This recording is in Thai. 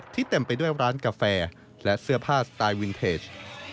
เต็มไปด้วยร้านกาแฟและเสื้อผ้าสไตล์วินเทจ